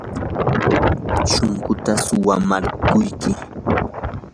shunquuta suwamarquyki.